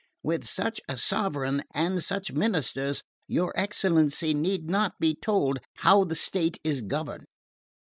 With such a sovereign and such ministers, your excellency need not be told how the state is governed.